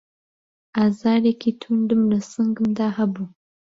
ئازارێکی توندم له سنگمدا هەبوو